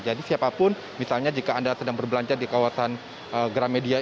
jadi siapapun misalnya jika anda sedang berbelanja di kawasan gramedia